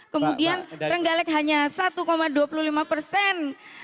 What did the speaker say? kemudian terenggalek hanya satu dua puluh lima persen